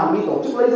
mà vẫn tách nhau lại